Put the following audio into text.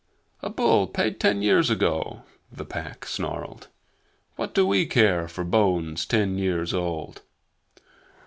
"A bull paid ten years ago!" the Pack snarled. "What do we care for bones ten years old?"